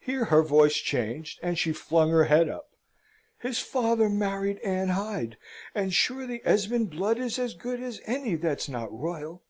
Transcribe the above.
Here her voice changed, and she flung her head up. "His father married Anne Hyde, and sure the Esmond blood is as good as any that's not royal.